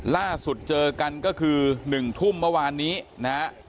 ล่าสุดเจอกันก็คือ๑ทุ่มเมื่อวานนี้นะฮะ